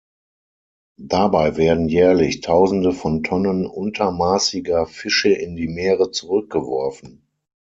Dabei werden jährlich Tausende von Tonnen untermaßiger Fische in die Meere zurückgeworfen.